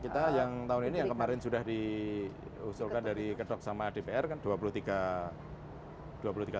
kita yang tahun ini yang kemarin sudah diusulkan dari ketok sama dpr kan dua puluh tiga triliun